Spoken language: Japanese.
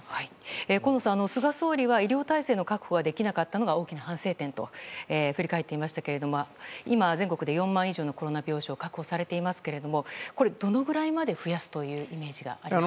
河野さん、菅総理は医療体制の確保ができなかったのが大きな反省点と振り返っていましたが今、４５００床くらい確保されていますけれどもどのぐらいまで増やすイメージですしょうか？